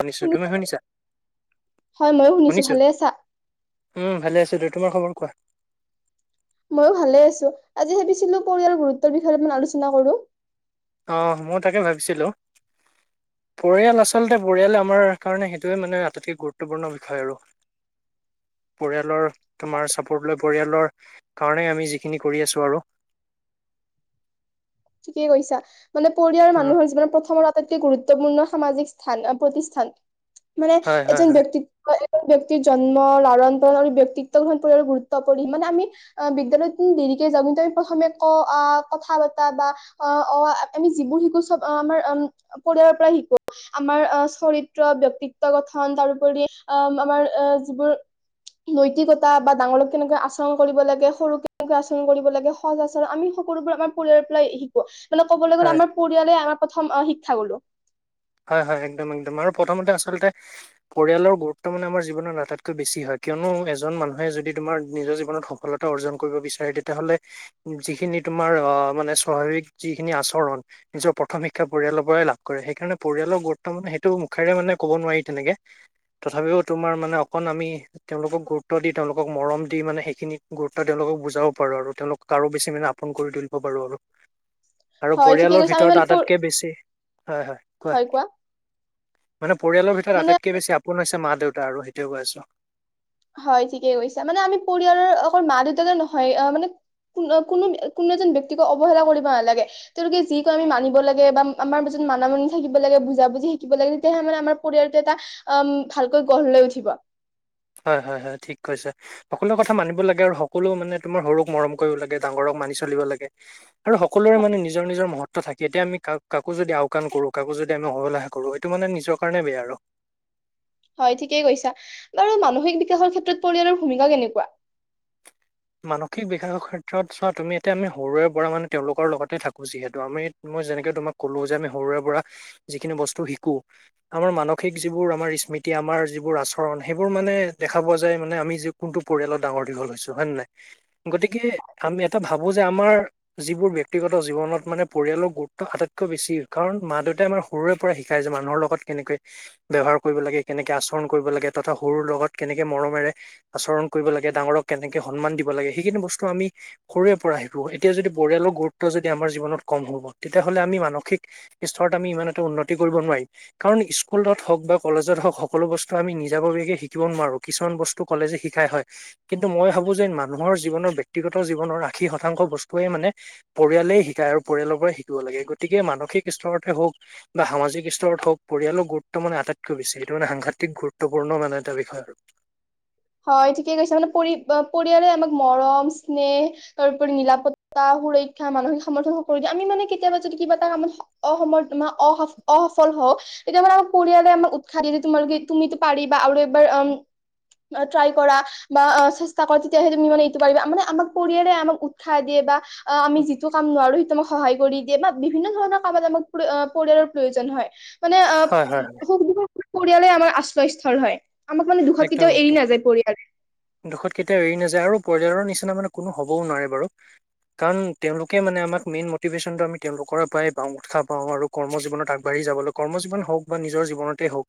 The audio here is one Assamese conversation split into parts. শুনিছো তুমি শুনিছানে, শুনিছা হয় ময়ো শুনিছো ভালে আছা। উম ভালে আছিলো দে তোমাৰ খবৰ কোৱা। ময়ো ভালে আছো আজি ভাবিছিলো পৰিয়ালৰ গুৰুত্বৰ বিষয়েই আলোচনা কৰো। অ' মই তাকে ভাবিছিলো পৰিয়াল আচলতে পৰিয়াল আমাৰ কাৰণে সেইটোৱে মানে আটাইতকৈ গুৰুত্বপূৰ্ণ বিষয় আৰু পৰিয়ালৰ তোমাৰ চাপোৰ্ট লৈ পৰিয়ালৰ কাৰণে আমি যিখিনি কৰি আছো আৰু। ঠিকে কৈছা। মানে পৰিয়াল অ মানুহৰ যিমান প্ৰথম তাতকে গুৰুত্বপূৰ্ণ সামাজিক স্থান প্ৰতিষ্ঠান। মানে হয় হয় এজন হয় ব্যক্তিত্ব ব্যক্তিৰ জন্ম লালন পৰন আৰু ব্যক্তিত্ব গ্ৰহণ পৰিলৈ গুৰুত্ব পৰি মানে আমি বিজ্ঞানত দেৰিকে যাওঁ কিন্তু আমি প্ৰথমে ক আহ কথা বা অ আ আমি যিবোৰ শিকো চব আমাৰম পৰিয়ালৰ পৰাই শিকো আমাৰ চৰিত্ৰ ব্যক্তিত্ব গঠন তাৰোপৰি আ আমাৰ যিবোৰ নৈতিকতা বা ডাঙৰক কেনেকৈ আচৰণ কৰিব লাগে সৰু কেনেকৈ আচৰণ কৰিব লাগে সজ আচৰণ আমি সকলোবোৰ আমাৰ পৰিয়ালৰ পৰাই শিকো। মানে ক'বলৈ গ'লে হয় আমাৰ পৰিয়াল আমাৰ প্ৰথম শিক্ষা গুৰু হয় হয় একদম এক্দম আৰু প্ৰথমতে আচলতে পৰিয়ালৰ গুৰুত্ব মানে আমাৰ জীৱনত আটাইতকৈ বেছি হয় কিয়নো এজন মানুহে যদি তোমাৰ নিজৰ জীৱনত সফলতা অৰ্জন কৰিব বিচাৰে তেতিয়াহলে যিখিনি তোমাৰ আহ মানে স্বাভাৱিক যিখিনি আচৰণ নিজৰ প্ৰথম শিক্ষা পৰিয়ালৰ পৰাই লাভ কৰে সেইকাৰণে পৰিয়ালৰ গুৰুত্ব মানে সেইটো মুখেৰে মানে কব নোৱাৰি তেনেকে তথাপিও তোমাৰ মানে অকণ আমি তেওঁলোকক গুৰুত্ব দি তেওঁলোকক মৰম দি মানে সেইখিনি গুৰুত্ব তেওঁলোকক বুজাও কৰো আৰু তেওঁলোক কাৰো বেছি মানে পোন কৰি তুলিব বাৰো আৰু আৰু হয় ঠিকে পৰিয়ালৰ কৈছে আমি ভিতৰত মানে আটাইতকে বেছি হয় হয়। কোৱা মানে পৰিয়ালৰ ভিতৰত মানে আটাইতকে বেছি আপোন আছে ছে মা দেউতা আৰু সেইটোয়ে কৈ আছো। হয় ঠিকে কৈছা মানে আমি পৰিয়ালৰ আক মা দেউতাকে নহয় মানে কোনো কোনো এজন ব্যক্তিক অৱহেলা কৰিব নালাগে। তেওঁলোকে যি ক আমি মানিব লাগে বা আমাৰ মত মানামানি থাকিব লাগে বুজা বুজি থাকিব লাগে, তেতিয়াহলে মানে আমাৰ পৰিয়াল এটা ভালকৈ গঢ় লৈ উঠিব। হয় হয় হয় ঠিক কৈছে সকলো কথা মানিব লাগে, আৰু সকলো মানে তোমাৰ সৰুক মৰম কৰিব লাগে ডাঙৰক মানি চলিব লাগে। আৰু সকলোৰে মানে নিজৰ নিজৰ মহৎ থাকে এতিয়া আমি কাকো যদি আওকাণ কৰোঁ কাকো যদি আমি অবহেলা কৰোঁ সেইটো মানে নিজৰ কাৰণে বেয়া আৰু। হয় ঠিকেই কৈছা বাৰু মানসিক বিকাশৰ ক্ষেত্ৰত পৰিয়ালৰ ভূমিকা কেনেকুৱা। মানসিক বিকাশৰ ক্ষেত্ৰত চোৱা তুমি এয়া আমি সৰুৰে পৰা মানে তেওঁলোকৰ লগতে থাকো যিহেতু আমি মই যেনেকে তোমাক কলো যে আমি সৰুৰে পৰা যিখিনি বস্তু শিকো আমাৰ মানসিক যিবোৰ আমাৰ স্মৃতি আমাৰ যিবোৰ আচৰণ সেইবোৰ মানে দেখা পোৱা যায় মানে আমি য কোনটো পৰিয়ালত ডাঙৰ দীঘল হৈছো হয়ে নাই। গতিকে আমি এটা ভাবো যে আমাৰ যিবোৰ ব্য্ক্তিগত জীৱনত মানে পৰিয়ালৰ গুৰুত্ব আটাইতকৈ বেছি কাৰণ মা দেউতাই আমাৰ সৰুৰে পৰা শিকাই যে মানুহৰ লগত কেনেকে ব ব্যৱহাৰ কৰিব লাগে কেনেকে আচৰণ কৰিব লাগে তথা সৰুৰ লগত কেনেকে মৰমেৰে আচৰণ কৰিব লাগে ডাঙৰক কেনেকে সন্মান দিব। সেইিনস আমি সৰুৰে পৰা শিকো এতিয়া যদি পৰিয়ালৰ গুৰুত্ব যদি আমাৰ জীৱনত কম হব তেতিয়াাহ'লে আমি মানসিক স্তৰত আমি ইমান এটা উন্নতি কৰিব নোৱাৰিম কাৰণ স্কুলত হওঁক বা কলেজত হওঁক সকলো বস্তু আমি নিজাববীয়াকে শিকিব নোৱাৰো কিছুমান বস্তু কলেজে শিকাই হয় কিন্তু মই ভাবো যে মানুহৰ জীৱনৰ ব্যয়ক্তিগত জীৱনৰ আশী শতাংশ বস্তুৱে মানে পৰিয়ালেই শিকায় আৰু পৰিয়ালৰ পৰা শিকিব লাগে গতিকে মানসিক স্তৰতে হওক বা সামাজিক স্তৰত হওক পৰিয়ালৰ গুৰুত্ব মানে আটাইতকৈ বেছি সেইটো মানে সাংঘাতিক গুৰুত্বপূৰ্ণ মানে এটা বিষয় আৰু। হয় ঠিকে কৈছে মানে পৰি পৰিয়ালে আমাক মৰম স্নেহ তাৰপৰি নিৰাপত্তা সুৰক্ষা মানসিক সামৰ্থন সকলোিয়ে আমি মানে কেতিয়াবা যদি কিবা এটা কামত অসফল হওঁ তেতিয়া মানে আমাক পৰিয়ালে আমাক উৎসাহ দিয়ে যে তোমালোকে তুমিতো পাৰিবা আৰু এবাৰ ট্ৰাই কৰা বা চেষ্টা কৰা তেতিয়াহ তুমি মানে নিটো পাৰিবা মানে আমাক পৰিয়ালে আমাক উৎসাহ দিয়ে বা অ' আমি যিটো কাম নোৱাৰো সেইটো মম সহায় কৰি দিয়ে বা বিভিন্ন ধৰণৰ কামত আমাক পৰিয়ালৰ প্ৰয়োজন হয়। মানে অ', হয় হয় হয় শু [unintelligible] পৰিয়ালে আমাৰ আশ্ৰয়স্থ্থল হয়। আমাক মান দুখত একদম কেতিয়া এৰি একদম নাযায়। পৰিয়ালে দুখত কেতিয়াও এৰি নাযায় আৰু। পৰিয়ালৰ নিচিনা মানে কোনো হ'বও নোৱাৰে বাৰু কাৰণ তেওঁলোকে মানে আমাক মেইন মটিভেশ্যনটো আমি তেওঁলোকৰ পৰাই পাওঁ উৎসাহ পাওঁ আৰু কৰ্ম জীৱনত আগবাঢ়ি যাবলৈ কৰ্ম জীৱন হওঁক বা নিজৰ জীৱনতে হওঁক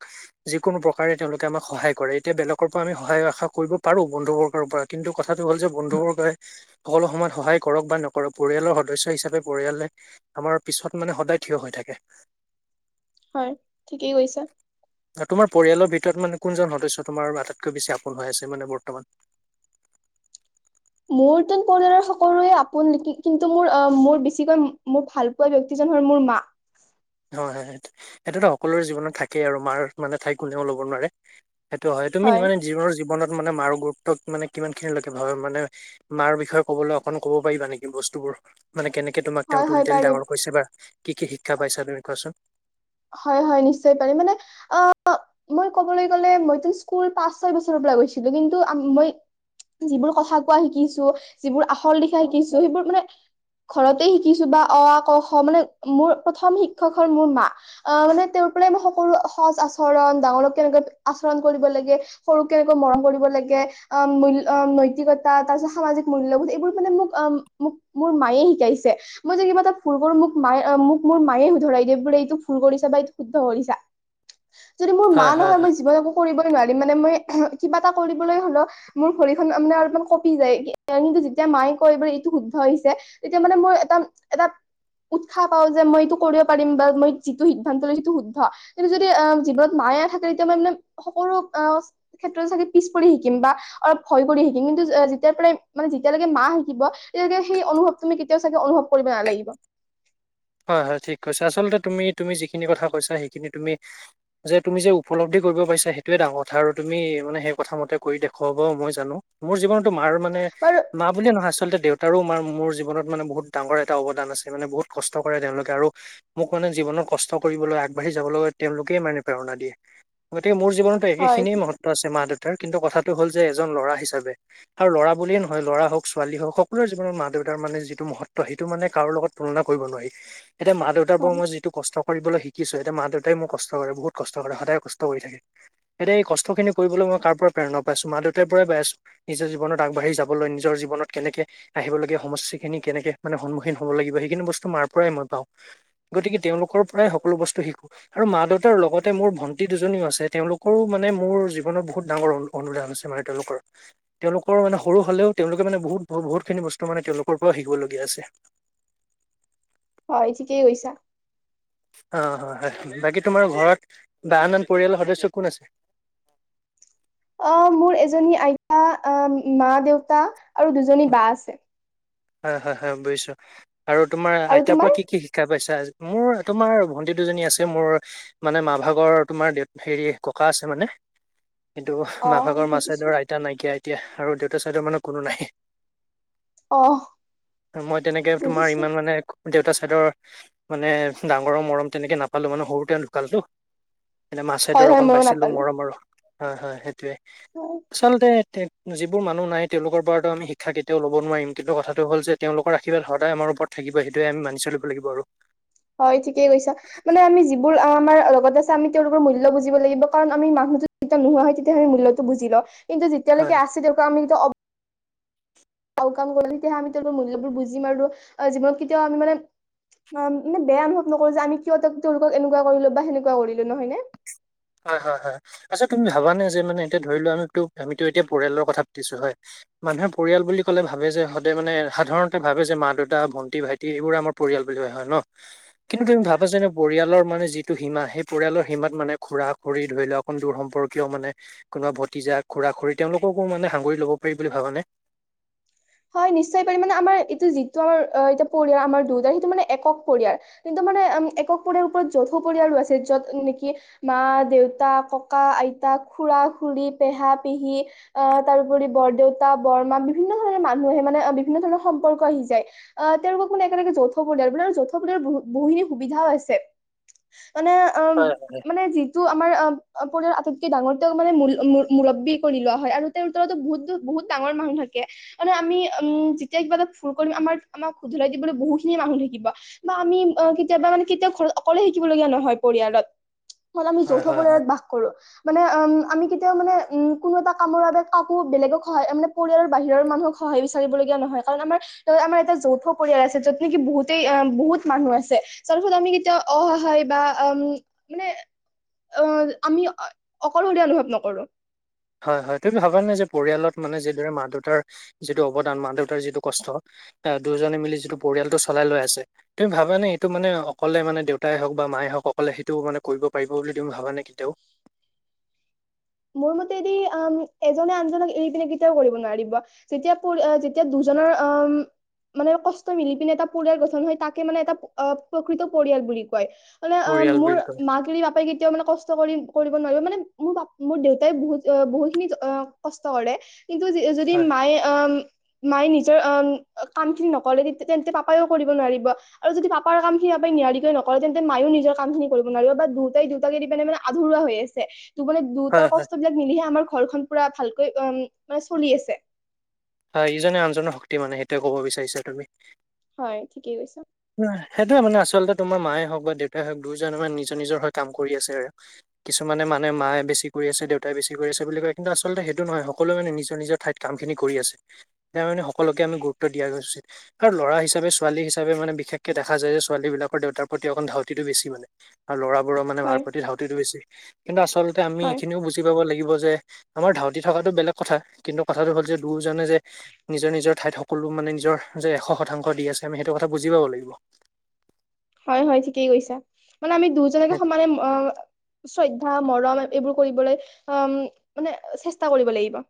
যিকোন প্ৰকাৰে তেওঁলোকে আমাক সহায় কৰে এতিয়া বেলেগৰ পৰা আমি সহায় আশা কৰিব পাৰো বন্ধু বৰ্গৰ পৰা কিন্তু কথাটো হল যে বন্ধু বৰ্গই সকলো সময়ত সহায় কৰক বা নকৰক পৰিয়ালৰ সদস্য় হিচাপে পৰিয়ালে আমাৰ পিছত মানে সদায় থিয় হৈ থাকে। হয়, ঠিকেই কৈছা। তোমাৰ পৰিয়ালৰ ভিতৰত মানে কোনজন সদস্য আটাইতকৈ বেছি আপোন হৈ আছে? মানে বৰ্তমান। মোৰ পৰিয়ালৰ সকলোৱে আপোন। কিন্তু মোৰ- মোৰ বেছিকৈ মোৰ ভাল পোৱা ব্যক্তিজন হ'ল মোৰ মা। হয়, হয় সেইটোতো সকলোৰে জীৱনত থাকেই আৰু মাৰ মানে ঠাই কোনেও ল'ব নোৱাৰে। সেইটো হয়, তুমি মানে জীনৰ -জীৱনত মানে মাৰ গুৰু্ব মানে কিমান খিনিলৈকে ভাৱা মানে মাৰ বিষয়ে কবলৈ অকন কব পাৰিবা নেকি, বস্তুবোৰ? মানে কেনেকে তোমাক তেওঁ হয় হয় তুলি- তালি পাৰিম ডাঙৰ কৰিছে বা কি কি শিক্ষা পাইছা? তুমি কোৱাচোন? হয়, হয় নিশ্চয় পাৰিম। মানে অ' মই কবলৈ গ'লে। মইতো স্কুল পাঁচ, ছয় বছৰৰ পৰা গৈছিলো। কিন্তু মই যিবোৰ কথা কোৱা শিকিছো যিবোৰ আখল লিখা শিকিছো। সেইবোৰ মানে ঘৰতে শিকিছো বা অ, ক, খ মানে মোৰ প্ৰথম শিক্ষক হ'ল মোৰ মা। অ' মানে তেওঁৰ পৰাই মই সকলো সচ- আচৰণ ডাঙৰক কেনেকৈ আচৰণ কৰিব লাগে। সৰুক কেনেকৈ মৰম কৰিব লাগে অ' মূল্য নৈতিকতা তাৰ পিছত সামাজিক মূল্যবোধ এইবোৰ মানে মোক অ' মোক মোৰ মায়ে শিকাইছে। মই যে কিবা এটা ভুল কৰো মোক মোক-মোক মোৰ মায়ে শুধৰাই দিয়ে বোৰে এইবোৰ- এইটো। ভূল কৰিছা বা এইটো শুদ্ধ কৰিছা। যদি মোৰ মা হয় হয় নহয় মই হয় জীৱনকো কৰিব নোৱাৰিম মানে মই। কিবা এটা কৰিবলৈ হ'লেও মোৰ ভৰিখন মানে অলপমান কঁপি যায়। কিন্তু যেতিয়া মায়ে কয় যে এইটো শুদ্ধ আহিছে। তেতিয়া মানে মই এটা এটা উৎসাহ পাওঁ যে মই এইটো কৰিব পাৰিম বা মই যিটো সিদ্ধান্ত লৈছো সিটো শুদ্ধ। কিন্তু যদি আ'হ জীৱনত মায়ে নাথাকে। তেতিয়া মই মানে সকলো আ'হ ক্ষেত্ৰতে চাগে পিছ পৰি থাকিম বা অলপ ভয় কৰি থাকিম। কিন্তু যেতিয়াৰ পৰাই মানে যেতিয়ালৈকে মা থাকিব তেতিয়ালৈকে সেই অনুভৱ তুমি কেতিয়াও চাগে অনুভৱ কৰিব নালাগিব। হয়, হয় ঠিক কৈছে আচলতে তুমি তুমি যিখিনি কথা কৈছা সেইখিনি তুমি যে তুমি যে উপলব্ধি কৰিব পাৰিছা। সেইটোৱে ডাঙৰ কথা আৰু তুমি মানে সেই কথা মতে কৰি দেখুৱাব মই জানো। মোৰ জীৱনত তোমাৰ মানে বাৰু মা বুলিয়ে নহয় আচলতে আচলতে দেউতাৰো আৰু মাৰ মোৰ জীৱনত মানে বহুত ডাঙৰটা অৱদান আছো। বহুত কষ্ট কৰে তেওঁলোকে আৰু মোক মানে জীৱনত কষ্ট কৰিবলৈ আগবাঢ়ি যাবলৈ তেওঁলোকে মানে প্ৰেৰণা দিয়ে। গতিকে মোৰ জীৱনতো হয় একখিনিয়েই মহত্ব আছে। মা- দেউতাৰ। কিন্তু কথাটো হ'ল যে এজন ল'ৰা হিচাপে আৰু ল'ৰা বুলিয়ে নহয়, ল'ৰা হ'ওক ছোৱালী হ'ওক সকলোৰে জীৱনত মা দেউতাৰ মানে যিটো মহত্ব সেইটো মানে কাৰো লগত তুলনা কৰিব নোৱাৰি। [unintelligible] এতিয়া মা দেউতাৰ পৰা মই যিটো কষ্ট কৰিবলৈ শিকি শিকিছো এতিয়া মা- দেউতাই মোক কষ্ট কৰে। বহুত কষ্ট কৰে সদায়ে কষ্ট কৰি থাকে। এতিয়া এই কষ্টখিনি কৰিবলৈ মই কাৰো পৰা প্ৰেৰণা পাইছো মা দেউতাই পৰাই পাই আছ নিজৰ জীৱনত আগবাঢ়ি যাবলৈ নিজৰ জীৱনত কেনেকে আহিবলগীয়া সমস্যাখিনি কেনেক মানে সন্মুখীন হব লাগিব সেইখিনি বস্তু মাৰ পৰাই মই পাওঁ গতিকে তেওঁলোকৰ পৰাই সকলো বস্তু শিকো আৰু মা দেউতাৰ লগতে মোৰ ভন্টি দুজনীও আছে তেওঁলোকৰো মানে মোৰ জীৱনৰ বহুত ডাঙৰ অনু অনুদান আছে মানে তেওঁলোকৰ তেওঁলোকৰ মানে সৰু হলেও তেওঁলোকে মানে বহুত বহুত খিনি বস্তু মানে তেওঁলোকৰ পৰাও শিকিবলগীয়া আছে। হয় ঠিকেই কৈছা। অ' হয়, হয় বাকী তোমাৰ ঘৰত বা আন আন পৰিয়ালৰ সদস্য কোন আছে? অ' মোৰ এজনী আইতা, অ'হ মা-দেউতা আৰু দুজনী বা আছে। হয়, হয়, হয় বুজিছো। আৰু তোমাৰ আৰু আইতাৰ তোমাৰ? পৰা কি কি শিক্ষা পাইছা? মোৰ, তোমাৰ ভন্টি দুজনী আছে, মোৰ মানে মা-ভাগৰ তোমাৰ দেউ হেৰি ককা আছে মানে। সেইটো অ', মা-ভাগৰ মা বুজিছোঁ। চাইডৰ আইতা নাইকিয়া। দিয়া আৰু দেউতা চাইদৰ মানুহ কোনো নাই। অহ, মই তেনেকে তোমাৰ বুজিছো। ইমান মানে দেউতা চাইদৰ মানে, ডাঙৰৰ মৰম তেনেকে নাপালো মানে সৰুতে ঢুকালেটো। এনে হয়, মা-চাইডৰ হয়, অকণ ময়ো পাইছিলো নাপালো। মৰম আৰু হয়, হয়। সেই। টোৱে, হয়, আচলতে যিবোৰ মানুহ নাই, তেওঁলোকৰ পৰাতো আমি শিক্ষা কেতিয়াও ল'ব নোৱাৰিম। কিন্তু কথা টো হ'ল যে তেওঁলোকৰ আশীৰ্বাদ সদায় আমাৰ ওপৰত থাকিব, সেইটোৱেই আমি মানি চলিব লাগিব আৰু। হয়, ঠিকেই কৈছা। মানে আমি যিবোৰ আমাৰ লগত আছে, আমি তেওঁলোকৰ মূল্য বুজিব লাগিব। কাৰণ আমি মানুহতো যেতিয়া নোহোৱা হয়, তেতিয়াহে মূল্যতটো বুজি লওঁ। কিন্তু হয় যেতিয়ালৈকে আছে, তেওঁকো আমি [unintelligible] অ। ভাল কাম কৰিলে, তেতিয়াহে আমি তেওঁলোকৰ মূল্যবোৰ বুজিম। আৰু জীৱনত কেতিয়াও আমি মানে মানে বেয়া অনুভৱ নকৰো যে, আমি কিয় তেওঁলোকক এনেকুৱা কৰিলো বা সেনেকুৱা কৰিলো। নহয় নে? হয় হয় হয়। আচ্ছা, তুমি ভাবা নে? যে মানে এতিয়া ধৰি লোৱা, আমি আমিতো এতিয়া পৰিয়ালৰ কথা পাতিছো হয়। মানুহে পৰিয়াল বুলি কলে ভাবে যে ইহঁতে মানে সাধাৰণতে ভাবে যে মা-দেউতা, ভন্টি-ভাইটি। এইবোৰ আমাৰ পৰিয়াল বুলি ভাৱে ন? কিন্তু তুমি ভাবা যে, পৰিয়ালৰ মানে যিটো সীমা। সেই পৰিয়ালৰ সীমাত মানে খুৰা খুৰী, ধৰি লোৱা, অকণ দূৰ সম্পৰ্কীয় মানে। কোনোবা ভতিজা, খুৰা খুৰী তেওঁলোককো মানে সাঙুৰি ল'ব পাৰি বুলি ভাবানে? হয় নিশ্চয় পাৰি। মানে আমাৰ এইটো যিটো আমাৰ এয়া পৰিয়াল। আমাৰ দেউতাৰ সেইটো মানে একক পৰিয়াল। কিন্তু মানে একক পৰিয়াল ওপৰত যৌথ পৰিয়ালো আছে। য'ত নেকি মা-দেউতা, ককা-আইতা খুৰা-খুৰী, পেহা-পেহী, অহ তাৰোপৰি বৰ-দেউতা বৰমা বিভিন্ন মানুহে মানে বিভিন্ন ধৰণৰ সম্পৰ্ক আহি যায়। অহ তেওঁলোকক মানে একেলগে যৌথ পৰিয়াল বুলি কয়, যৌথ পৰিয়ালৰ বহু বহুখিনি সুবিধাও আছে। মানে, অ', হয়। মানে যিটো আমাৰ অ পৰিয়ালৰ আটাইতকৈ ডাঙৰ তেওঁক মানে মুৰ মুৰব্বী কৰি লোৱা হয়। আৰু তেওঁৰ তলটো বহুত বহুত ডাঙৰ মানুহ থাকে। মানে, আমি উম যেতিয়া কিবা এটা ভুল কৰিম আমাৰ আমাক শুধৰাই দিবলৈ বহুতখিনি মানুহ থাকিব। বা আমি কেতিয়াবা মানে কেতিয়াও ঘৰত অকলে থাকিবলগীয়া নহয় পৰিয়ালত। [unintelligible] আমি হয় যৌথ হয় হয় হয় পৰিয়ালত বাস কৰো। মানে, উম আমি কেতিয়াও মানে, উম কোনো এটা কামৰ বাবে কাকো বেলেগক সহায়। মানে পৰিয়ালৰ বাহিৰৰ মানুহক সহায় বিচাৰিবলগীয়া নহয়। কাৰণ আমাৰ আমাৰ এটা যৌথ পৰিয়াল আছে। য'ত নেকি বহুতেই, বহুত মানুহ আছে। যাৰ ফলত আমি কেতিয়াও অসহায় বা উম, মানে অহ আমি অকলশৰীয়া অনুভৱ নকৰো। হয় হয়। তুমি ভাবানে? যে পৰিয়ালত মানে যিদৰে মা দেউতাৰ যিটো অৱদান। মা দেউতাৰ যিটো কষ্ট দুজনে মিলি যিটো পৰিয়ালটো চলাই লৈ আছে। তুমি ভাবানে? এইটো মানে অকলে মানে দেউতাই হওঁক বা মায়ে হওঁক। অকলে সেইটো মানে কৰিব পাৰিব বুলি তুমি ভাবানে? কেতিয়াও মোৰ মতেদি, আ ম এজনে আনজনক এৰি পিনে কেতিয়াও কৰিব নোৱাৰিব। যেতিয়া পৰি যেতিয়া দুজনৰ আ ম মানে কষ্ট মিলি পিনে এটা পৰিয়াল গঠন হয়। তাকে মানে এটা প্ৰকৃত পৰিয়াল বুলি কয়। মানে, অ', পৰিয়াল মোৰ বুলি কলে মাক এৰি পাপাই কি কেতিয়াও মানে কষ্ট কৰি কৰিব নোৱাৰিব। মানে মোৰ পা মোৰ দেউতাই বহুত বহুত খিনি কষ্ট কৰে। কিন্তু য যদি হয় মায়ে অ--ম মায়ে নিজৰ অ কাম খিনি নকৰে। তেয়া তেন্তে পাপাওঁ কৰিব নোৱাৰিব। আৰু যদি পাপাৰ কাম খিনি পাপায়ে নিয়াৰিকৈ নকৰে। তেন্তে মায়েও নিজৰ কামখিনি কৰিব নোৱাৰিব। বা দুটাই দুইটাক এৰি পিনে মানে আধৰুৱা হৈ আছে। ত মানে ত হয় হয় কষ্টবিলাক মিলিহে আমাৰ ঘৰখন পুৰা ভালকৈ অ উম চলি আছে। হয়, ইজনে আনজনৰ শক্তি মানে সেইটোৱে ক'ব বিচাৰিছা তুমি। হয় ঠিকেই কৈছা সেইটোয়ে মানে আচলতে তোমাৰ মায়ে হওঁক বা দেউ এ হওঁক দুজনে মানে নিজৰ নিজৰ হৈ কাম কৰি আছে। কিছুমানে মানে মায়ে বেছি কৰি আছে। দেউতাই বেছি কৰি আছে। বুলি কয় কিন্তু আচলতে, সেইটো নহয় সকলোৱে নিজৰ নিজৰ ঠাইত কামখিনি কৰি আছে। তাৰ মানে সকলোকে আমি গুৰুত্ব দিয়া উচিত। আৰু ল'ৰা হিচাপে ছোৱালী হিচাপে মানে বিশেষকে দেখা যায় যে ছোৱালী বিলাকৰ দেউতাৰ প্ৰতি অকণ ধাউতিটো বেছি মানে। আৰু ল'ৰাবোৰৰ মানে মাৰ হয় প্ৰতি ধাউতিটো বেছি। কিন্তু আচলতে আমি হয় এইখিনিও বুজি পাব লাগিব যে আমাৰ ধাউতি থকাটো বেলেগ কথা। কিন্তু কথাটো হ'ল যে দুয়োজনে যে নিজৰ নিজৰ ঠাইত সকলো মানে নিজৰ যে এশ শতাংশ দি আছে। আমি সেইটো কথা বুজি পাব লাগিব। হয় হয় ঠিকেই কৈছা। মানে আমি দুয়োজনকে সমানে অ চৈদ্ধা মৰম এইবোৰ কৰিবলৈ অ মানে চেষ্টা কৰিব লাগিব।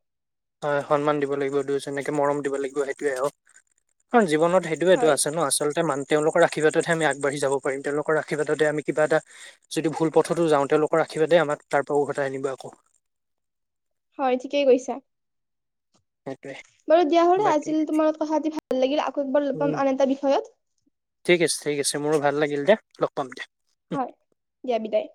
হয় সন্মান দিব লাগিব দুয়োজনকে মৰম দিব লাগিব। সেইটোয়ে আৰু হয় জীৱনত সেইটোৱেটো হয় আছে ন? আচলতে মানুহ তেওঁলোকৰ আশীৰ্বাদতহে আমি আগবাঢ়ি যাব পাৰিম। তেওঁলোকৰ আশীৰ্বাদতহে আমি কিবা এটা যদি ভুল পথতো যাওঁ। তেওঁলোকৰ আশীৰ্বাদে আমাক তাৰ পৰা উভতাই আনিব। আকৌ হয় ঠিকেই কৈছা। সেইটোৱে বাৰু, দিয়া হ'লে বাকী আজিলে তোমাৰ লগত কথা পাতি ভা লাগিলে আক উম ঠিক আছে ঠিক আছে, মোৰো ভাল লাগিল দে। লগ পাম দে। হয় দিয়া বিদায়।